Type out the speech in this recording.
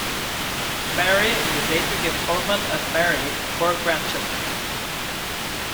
Mari would later give Hulman and Mary four grandchildren.